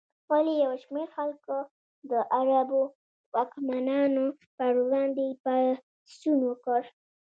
ولې یو شمېر خلکو د عربو واکمنانو پر وړاندې پاڅون وکړ؟